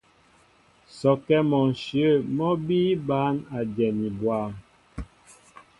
Sɔkɛ́ mɔ ǹshyə̂ mɔ́ bíí bǎn a dyɛni bwâm.